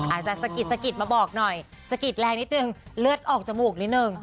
อาจจะสกิดมาบอกหน่อยสกิดแรงนิดหนึ่งเลือดออกจมูกนิดหนึ่ง